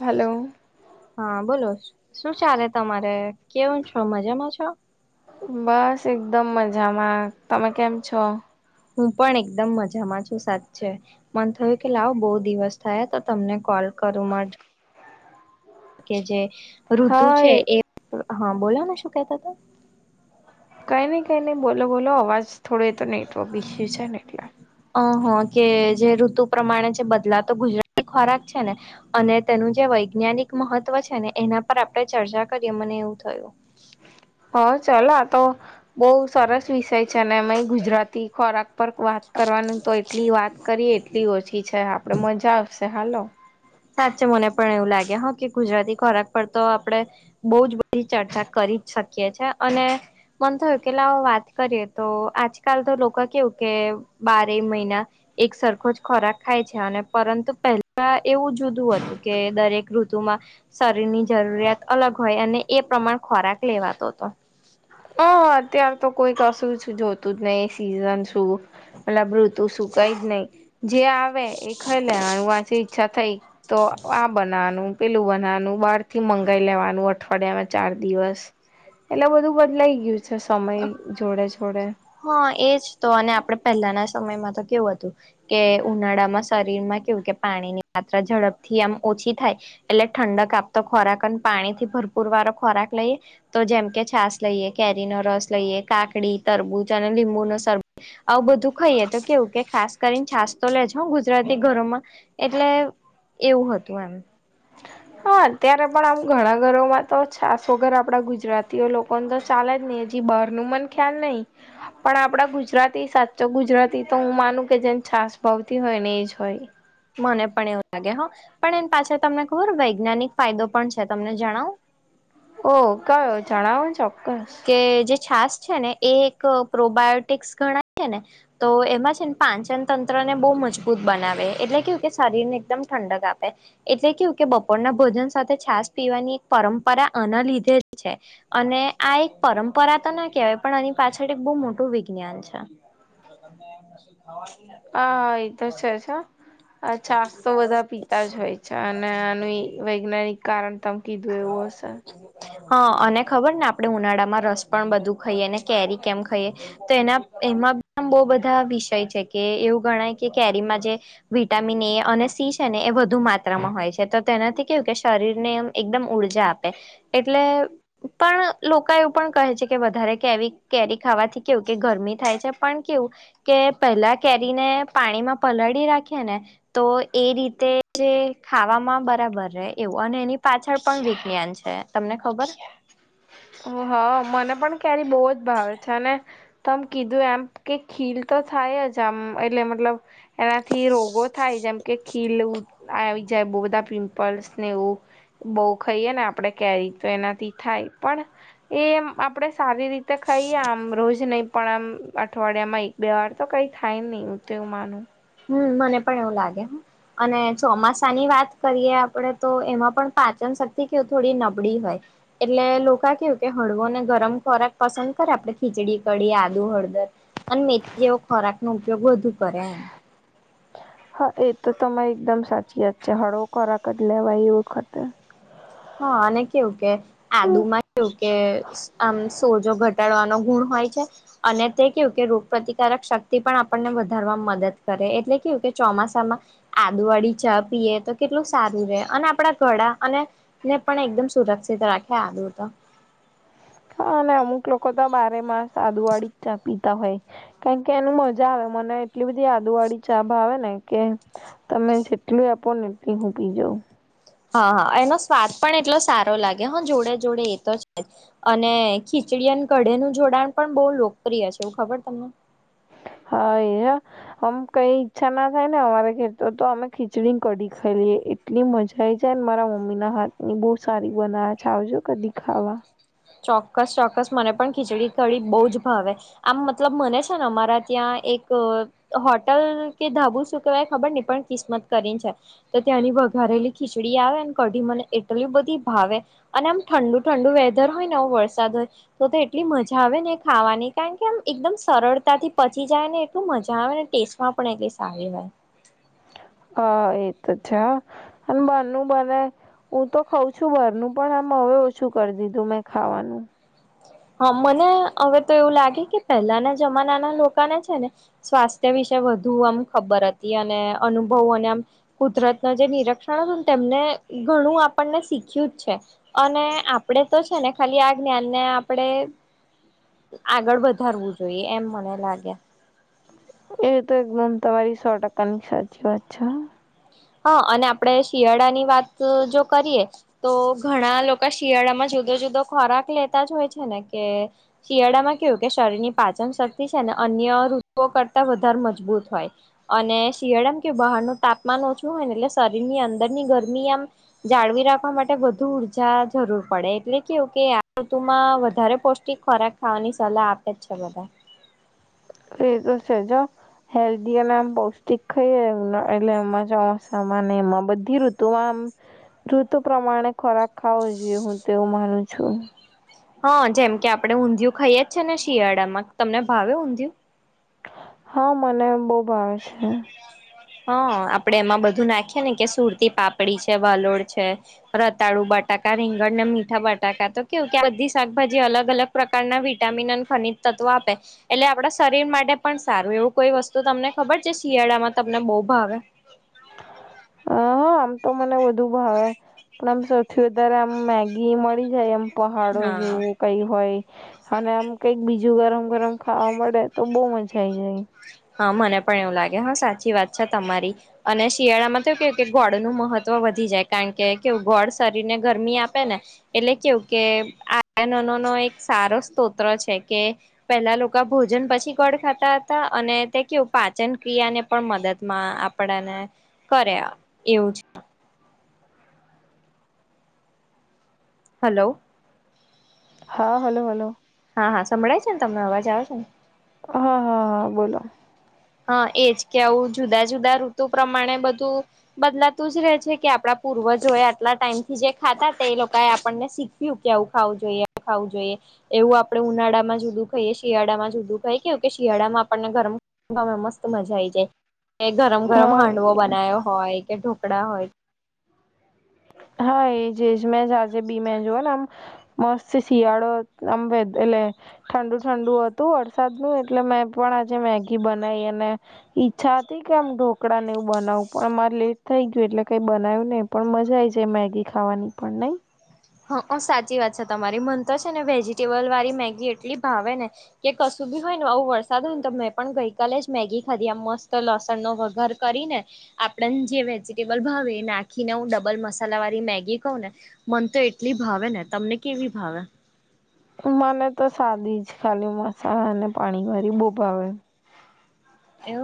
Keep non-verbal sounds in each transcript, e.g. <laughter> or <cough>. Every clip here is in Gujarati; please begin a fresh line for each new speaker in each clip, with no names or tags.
હાલો
હા બોલો શું ચાલે તમારે કેવું છો મજામાં છો
બસ એકદમ મજામાં તમે કેમ છો
હું પણ એકદમ મજામાં છું સાછે મન થયું કે લાવ બહુ દિવસ થયા તો તમને કોલ કરું મ કે જે ઋતુ
હા
છે એ હા બોલોને શું કેતા તા
કઈ ને કંઈને બોલો બોલો અવાજ થોડો એ તો નેટવક ઈસ્યું છે ને એટલે
અ હા કે જે ઋતુ પ્રમાણે જે બદલાતો ગુજરાતી ખોરાક છે ને અને તેનું જે વૈજ્ઞાનિક મહત્વ છે ને એના પર આપડે ચર્ચા કરીએ મને એવું થયું
હ ચાલો આતો બહુ સરસ વિસય છે અને એમાં ગુજરાતી ખોરાક સંપર્ક વાત કરવાની તો એટલી વાત કરીએ એટલી ઓછી છે આપણે મજા આવશે હાલો
હાચે મને પણ એવું લાગે ગુજરાતી ખોરાક પર તો આપડે બહુ જ બધી ચર્ચા કરી જ શકીએ છે અને મન થયું કે લાવ વાત કરીએ તો આજકાલ તો લોકો કેવું કે બારે મહિના એક સરખો જ ખોરાક ખાય છે અને પરંતુ પહેલા એવું જુદું હતું કે દરેક ઋતુમાં શરીર ની જરૂરિયાત અલગ હોય અને એ પ્રમાણ ખોરાક લેવાતો હતો
હ અત્યાર તો કોઈ કશું જોતું જ નહી એ સિઝન શું પલે મૃતુ સુું કઈ જ નઈ જે આવે એ ખાઈ લેવાનું વાચ ઈચ્છા થઈ તો આ બનાવાનું પેલું બનાવાનું બાર થી મંગાઈ લેવાનું અઠવાડિયા ના ચાર દિવસ એટલે બધું બદલાઈ ગયું છે સમય જોડે જોડે
હા એજ તો અને આપડે પહેલાના સમયમાં તો કેવું હતું કે ઉનાળામાં શરીર માં કેવું કે પાણીની માત્રા ઝડપથી આમ ઓછી થાય એટલે ઠંડક આપતો ખોરાક અને પાણીથી ભરપૂર વારોો ખોરાક લઈ તો જેમ કે છાસ લઈએ કેરીનો રસ લઈએ કાકડી તરબૂજ અને લીંબુ ન શરબત આવું બધું ખાઈએ તો કેવું કે ખાસ કરીને છાસ તો લેજો ગુજરાતી ઘરોમાં એટલે એવું હતું એમ
હા અત્યારે પણ આમ ઘણા ઘરોમાં તો છાસ વગર આપણા ગુજરાતીઓ લોકોને તો ચાલે જ નહીં હજી બહારનું મન ખ્યાલ નઈ પણ આપડા ગુજરાતી સાચો ગુજરાતી તો હું માનું કે જેમ છાસ ભાવતી હોય ને એજ હોય
મને પણ એવું લાગે હ પણ એને પાછા તમને ખબર વૈજ્ઞાનિક ફાયદો પણ છે તમને જણાવું?
ઓ કયો જણાવો ને ચોક્કસ
કે જે છાસ છે ને એ એક પ્રોબાયોટિક્સ ગણાય છે ને તો એમાં છે ને પાંચન તંત્ર ને બહુ મજબૂત બનાવે એટલે કેું કે શરીરને એકદમ ઠંડક આપે એટલે કેું કે બપોરના ભોજન સાથે છાસ પીવાની એક પરંપરા આના લીધે છે અને આ એક પરંપરા તો ના કહેવાય પણ એની પાછળ એક બહુ મોટું વિજ્ઞાન છે <inaudible>
આ એ તો છે જ હ આ છાસ તો બધા પીતા જ હોય છે અને આનું વૈજ્ઞાનિક કારણ તમે કીધું એવું હશે
<inaudible> હા અને ખબર ને આપણે ઉનાળામાં રસ પણ ખાઈએ ને કેરી કેમ ખાઈએ તો એના એમાં પ બહુ બધા વિષય છે કે એવું ગણાય કે કેરીમાં જે વિટામિન એ અને સી છે ને એ વધુ માત્રામાં હોય છે તો તેનાથી કેવું કે શરીરને એકદમ ઉર્જા આપે એટલે પણ લોકો એવું પણ કહે છે કે વધારે કેવી કેરી કેરી ખાવાથી કેવું કે ગરમી થાય છે પણ કેવું કે પહેલા કેરીને પાણીમાં પલળી રાખીએને ને તો એ રીતે જે ખાવામાં બરાબર રહે એવું અને એની પાછળ પણ વિજ્ઞાન છે તમને ખબર.
હ મને પણ ક્યારે બહુ જ ભાવે છે અને તમ કીધું એમ કે ખીલ તો થાય જ આમ એટલે મતલબ એનાથી રોગો થાય જેમ કે ખીલ આવી ય બહુ બધા પિમ્પલ્સને એવું બહુ ખાઈએ ને આપણે કેરી તો એનાથી થાય પણ એમ આપણેે સારી રીતે ખાઈએ આમ રોજ નહી પણ આમ અઠવાડિયામાંય બે્વાર તો કંઈ થાય નહીં ઉત માનું
હમ મને પણ એવું લાગે અને ચોમાસા ની વાત કરીએ આપણેે તો એમાં પણ પાચન શક્તિ કે થોડી નબળી હોય એટલે લોકા કેવું કે હળવો ને ગરમ ખોરાક પસંદ કરે આપણે ખીચડી કડીી આદુ હળદર અને મે જેવો ખોરાક નો ઉપયોગ વધુ કરે એમ
હા એ તો તમે એકદમ સાચી વાત છે હળવો ખોરાક જ લેવાય એ વખતે
અને કેવું કે આદુમાં કેવું કે આમ સોજો ઘટ ટાડવાનો ગુણ હોય છે અને તે કેવું કે રોગ પ્રતિકારક શક્તિ પણ આપણને વધારવામાં મદદ કરે એટલે કેવું કે ચોમાસામાં આદુ વાળી ચા પીએ તો કેટલું સારું રે અને આપણા ઘડા અને ને પણ એકદમ સુરક્ષિત રાખે આદુર તો
હા અને અમુક લોકો તો બારે માસ આદુ વાળી જ ચા પીએ તા હોય કારણ કે એનું મજા આવે મને એટલી બધી આદુ વાળી ચા ભાવે ને કે તમે જેટલી આપો ને એટલી હું પીજઉં
હા હા એનો સ્વાદ પણ એટલો સારો લાગે હા જોડે જોડે એ તો છે અને ખીચડી અને કઢે નું જોડાણ પણ બહુ લોકપ્રિય છે એવું ખબર તમને
હા એયા અમ કઈ ઈચ્છા ના થાય ને વારે અમારા ઘે તો તો અમે ખીચડી કડી ખાઈલીએ એટલી મજા આઈ જાયને મારા મમ્મી ના હાત ની બહુ સારી બનાવે છે આવજો કડી ખાવા
ચોક્કસ ચોક્કસ મને પણ ખીચડી કઢી બહુ જ ભાવે આમ મતલબ મને છે અમારા ત્યાં એક હોટલ કે ધાબુ શું કેવાય ખબર નહી પણ કિસ્મત કરીને છે તો ત્યાંની વઘારેલી ખીચડી આવે ને કઢી મને એટલી બધી ભાવે અને આમ ઠંડુ ઠંડુ વેધર હોય ને આવું વરસાદ હોય તો તો એટલી મજા આવે ને ખાવાની કારણ કે આમ એકદમ સરળતાથી પચી જાય ને એટલું મજા આવે ને ટેસ્ટ માં પણ એટલી સારી હોય
હા એ તો છ અને બાનુ બને હું તો ખઉં છું બારનું પણ આમ હવે ઓછું કરી દીધું મેં ખાવાનું
હા મને હવે તો એવું લાગે કે પહેલાના જમાના ના લોકોને છે ને સ્વાસ્થ્ય વિશે વધુ આમ ખબર હતી અને અનુભવોને આમ કુદરત ન જે નિરીક્ષણ હતું ને તેમને ઘણું આપણને શીખ્યું જ છે અને આપડે તો છે ને ખાલી આ જ્ઞાનને આપણે આગળ વધારવું જોઈએ એમ મને લાગે
એ તો એકદમ તમારી સો ટકા ની સાચી વાત છે.
હા અને આપડે શિયાળા ની વાત જો કરીએ તો ઘણા લોકો શિયાળામાં જુદો જુદો ખોરાક લેતા જ હોય છે ને કે શિયાળામાં કેવું કે શરીર ની પાચન શક્તિ છે ને અન્ય ઋતુઓ કરતા વધારે મજબૂત હોય અને શિયાળામ કે બહાર નું તાપમાન ઓછું હોય ને એટલે શરીરની અંદર ની ગરમી આમ જાળવી રાખવા માટે વધુ ઉર્જા જરૂર પડે એટલે કેવું કે આ ઋતુમાં વધારે પૌષ્ટિક ખોરાક ખાવાની સલાહ આપે જ છે બધા
એ તો છે જ હ હેલ્ધી અને આમ પૌષ્ટિક ખાઈએ એટલે એમાં ચોમાસામાં અને એમાં બધી ઋતુમાં આમ ઋતુ પ્રમાણે ખોરાક ખાવો જોઈએ હું તેવું માનું છું
હા જેમ કે આપણે ઊંધિયું ખાઈ એ જ છે ને શિયાળામાં તમને ભાવે ઊંધયું?
હા મને બઉ ભાવે છે.
હા આપડે એમાં બધું નાખીએ ને કે સુરતી પાપડી છે વાલોડ છે. રતાળુ બટાકા રીંગણ ને મીઠા બટાકા તો કેવું કે આ બધી શાકભાજી અલગ અલગ પ્રકારના વિટામિન અને ખનિજ તત્વો આપે એટલે આપણા શરીર માટે પણ સારું એવું કોઈ વસ્તુ તમને ખબર છે શિયાળામાં તમને બહુ ભાવે
હ આમ તો મને વધુ ભાવે. પણ આમ સૌથી વધારે આમ મેગી મળી જાય એમ પહાડો
હા
જેવું કઈ હોય અને આમ કઈક બીજું ગરમ ગરમ ખાવા મળે તો બઉ મજા આઈ જાય
હા મને પણ એવું લાગે હા સાચી વાત છે તમારી અને શિયાળામાં તો કેવુ કે ગોળ નું મહત્વ વધી જાય કારણ કે કેવું ગોળ શરીર ને ગરમી આપે ને એટલે કેવું કે આનનો નો એક સારો સ્તોત્ર છે કે પેલા લોકો ભોજન પછી ગોળ ખાતા હતા અને તે કેવું પાચન ક્રિયાને પણ મદદ માં આપણાને કરે એવું છે. હલો
હા હલો હલો
હા હા સંભળાય છે ને તમને અવાજ આવે છે ને
હા હા હા બોલો
હા એજ કે આવું જુદા જુદા ઋતુ પ્રમાણે બધું બદલાતું જ રે છે કે આપડા પૂર્વજો એ આટલા ટાઈમ થી જે ખાતા તે એ લોકો એ આપણ ને શીખ <unintelligible> કે આવું ખાવું જોઈએ ખાવું જોઈએ એવું આપડે ઉનાળામાં જુદું ખાઈએ શિયાળામાં જુદું ખાઈએ કેવ કે શિયાળામાં આપણને ગરમ ગમે મસ્ત મજા આવી જાય કે ગરમ ગરમ
હા
હાંડવો બનાયો હોય કે ઢોકળા હોય
હા એજ એજ મે જ આજેબી મે જોયુ ને આમ મસ્ત શિયાળો આમ <unintelligible> એટલે ઠંડુ ઠંડુ હતું વરસાદ નુ એટલે મેં પણ આજે મેગી બનાવી અને ઈચ્છા હતી કે આમ ઢોકળાને એવું બનાવું પણ મારે લેટ થઈ ગયું એટલે કઈ બનાવ્યું નહી પણ મજા આવી. જે મેગી ખાવાની પણ નહીં.
હા સાચી વાત છે તમારી મને તો છે ને વેજીિટેબલ વાળી મેગી એટલી ભાવે ને કે કશું બી હોય ને આવું વરસાદ હોય ને તો મેં પણ ગઈકાલે જ મેગી ખાધી આ મસ્ત લસણ નો વઘાર કરીને આપણને જે વેજીિટેબલ ભાવે નાખીને હું ડબલ મસાલા વાળી મેગી કહું ને મને તો એટલી ભાવે ને તમને કેવી ભાવે.
મને તો સાદી જ ખાલી મસાલા અને પાણી વળી બો ભાવે.
એવ.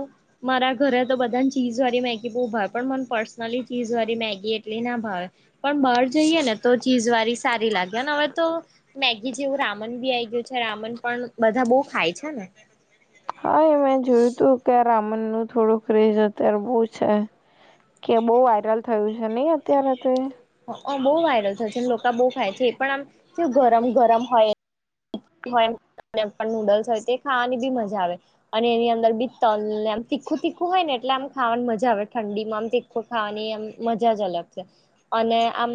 મારા ઘરે તો બધાને ચીઝ વાળી મેગી બહુ ભાવે પણ મને પર્સનલી ચીઝ વાળી મેગી એટલી ના ભાવે પણ બાળ જઈએ ને તો ચીજ વાળી સારી લાગેને હવે તો. મેગી જેવું રામન બી આઈ ગયું છે રામન પણ બધા બહુ ખાય છે ને.
હા એ મેં જોયું તું કે રામન નું થોડું ક્રેઝ અત્યારે બહ છે. કે બહુ વાયરલ થયું છે નહી અત્યારે તો એ
બઉ વાયરલ થયો છે આમ લોકા બહુ ખાય છે એ પણ આમ કેવું ગરમ ગરમ હોય. હોય પણ નૂડલ્સ હોય તે ખાવાની બી મજા આવે. અને એની અંદર બી તલ ને અમ તીખું તીખું હોય ને એટલે આમ ખાવાની મજા આવે ઠંડીમાં આમ તો ખાવાની એમ મજા જ અલગ છે. અને આમ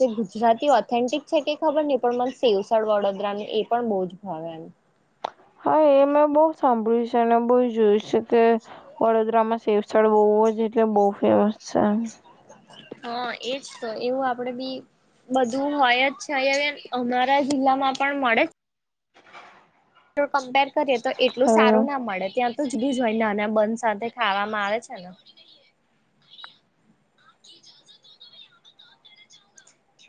જે ગુજરાતી ઓથેન્ટિક છે કે ખબર નહી પણ મને સેવ ઉસડ વડોદરાની એ પણ બહુ જ ભાવે એમ.
હા એ મેં બહુ સાંભળ્યું છે અને બહ જોયું છે કે વડોદરામાં સેવ ઉસળ બહુ જ એટલે બહુ ફેમસ છે.
હા એજ તો એવું આપડે બી બધું હોય જ છે <unintelligible> અમારા જિલ્લા માં પણ મળે જો કમ્પેર કરીએ તો એટલું
હા.
સારું ના મળે ત્યાં. તુજ બીજ હોય નાના બન સાથે ખાવામાં આવે છે ને.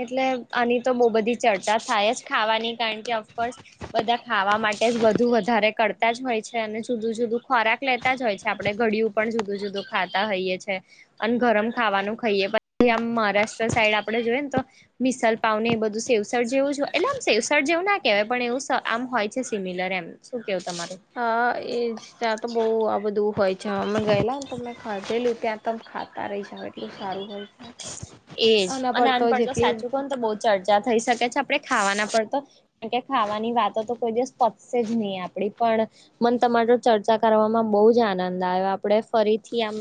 એટલે આની તો બહુ બધી ચર્ચા થાય જ ખાવાની કારણ કે અફકોર્સ બધા ખાવા માટે જ બધું વધારે કરતા જ હોય છે અને જુદું જુદું ખોરાક લેતા જ હોય છે આપડે ઘડીયુ પણ જુદું જુદું ખાતા હોઈએ છે. અને ગરમ ખાવાનું ખાઈએ પછી આ મહારાષ્ટ્ર સાઈડ આપડે જોઈએ ને તો મિસલ પાવ ને એ બધું સેવસડ જેવું જો એટલે આમ સેવસર જેવું ના કહેવાય પણ એવું સા આમ હોય છે સિમિલર એમ શું કેવું તમારું?
હા એ જ ત્યાં તો બહુ આ બધું હોય છે અમે ગયલા ને તો મેં ખાધેલું ત્યાં તમ ખાતા રહી જ હવે એટલું સારું હોય છે
એજ
અના
અને
પડતો
આન પર તો
જેટલી
સાચું કહું ને તો બહુ ચર્ચા થઈ શકે છે આપણે ખાવાના પડ તો કારણ કે ખાવાની વાતો તો કોઈ દિવસ પતશે જ નહી આપડી પણ મને તમારી જોડે ચર્ચા કરવામાં બહુ જ આનંદ આવ્યો આપણે ફરીથી આમ.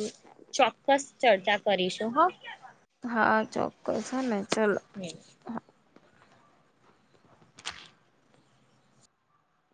ચોક્કસ ચર્ચા કરીશું હા.
હા ચોક્કસ હને ચલ.
હે